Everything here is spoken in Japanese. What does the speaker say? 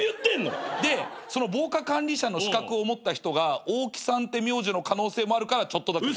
でその防火管理者の資格を持った人がオオキさんって名字の可能性もあるからちょっとだけ正解。